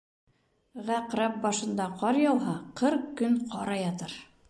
Ғаҡрәп башында ҡар яуһа, ҡырҡ көн ҡара ятыр.